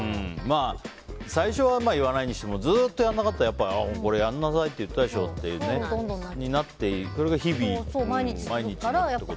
最初は言わないにしてもずっとやらなかったらこれ、やんなさいって言ったでしょってなってそれが日々、毎日。